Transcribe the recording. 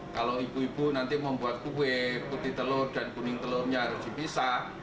kalau ibu ibu nanti membuat kue putih telur dan kuning telurnya harus dipisah